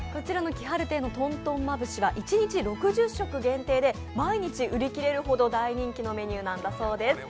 気晴亭のとんとんまぶしは一日６０食限定で、毎日売り切れるほどの大人気のメニューなんだそうです。